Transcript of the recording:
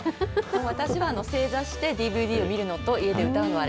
私は正座してＤＶＤを見るのと、家で歌うの、あれ、